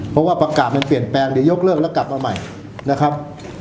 เพราะว่าประกาศมันเปลี่ยนแปลงเดี๋ยวยกเลิกแล้วกลับมาใหม่นะครับ